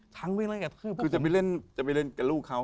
ช้างวิ่งไล่กับคือจะไปเล่นกับลูกเขา